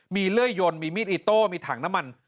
มีเลื่อยยนต์มีมีดอิโต้มีถังน้ำมัน